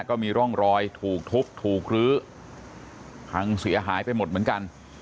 ก็มีร่องรอยถูกทุบถูกลื้อพังเสียหายไปหมดเหมือนกัน